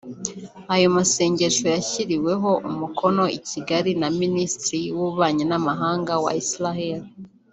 Ayo masezerano yashyiriweho umukono i Kigali na Minisitiri w’Ububanyi n’Amahanga wa Israel